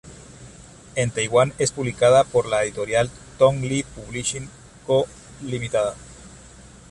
En Taiwán es publicada por la editorial Tong Li Publishing Co., Ltd.